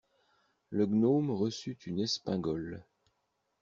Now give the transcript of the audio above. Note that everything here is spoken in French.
Le gnome reçut une espingole.